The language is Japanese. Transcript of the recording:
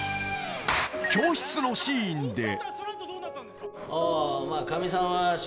［教室のシーンで］